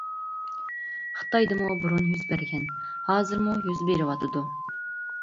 خىتايدىمۇ بۇرۇن يۈز بەرگەن، ھازىرمۇ يۈز بېرىۋاتىدۇ.